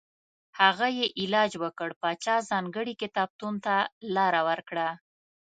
هغه یې علاج وکړ پاچا ځانګړي کتابتون ته لاره ورکړه.